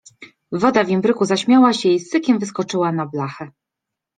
Woda w imbryku zaśmiała się i z sykiem wyskoczyła na blachę.